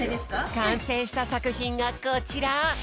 かんせいしたさくひんがこちら！